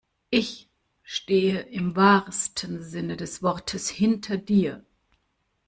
Ich stehe im wahrsten Sinne des Wortes hinter dir.